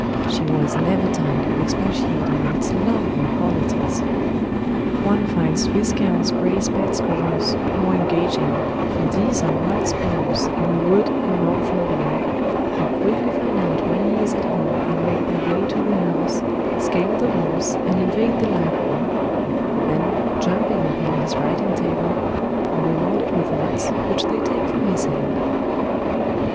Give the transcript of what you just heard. She was never tired of expatiating on its lovable qualities. One finds Viscount Grey's pet squirrels more engaging, for these are wild squirrels in a wood in Northumberland, who quickly find out when he is at home and make their way to the house, scale the walls, and invade the library; then, jumping upon his writing table, are rewarded with nuts, which they take from his hand.